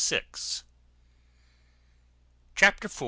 Chapter iv.